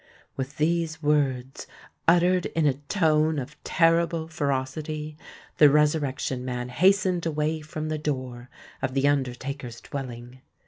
_" With these words—uttered in a tone of terrible ferocity—the Resurrection Man hastened away from the door of the undertaker's dwelling.